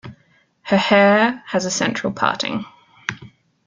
Her hair has a central parting